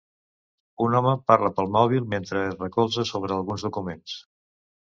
Un home parla pel mòbil mentre es recolza sobre alguns documents.